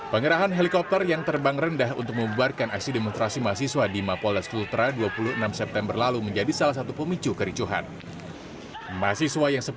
pengerahan helikopter yang terbang rendah untuk membuarkan aksi demonstrasi mahasiswa di mapolres kultra dua puluh enam september lalu menjadi salah satu pemicu kericuhan